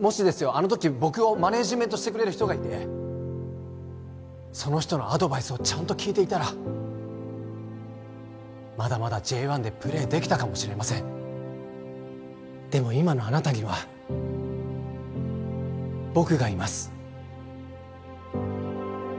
もしですよあの時僕をマネージメントしてくれる人がいてその人のアドバイスをちゃんと聞いていたらまだまだＪ１でプレーできたかもしれませんでも今のあなたには僕がいます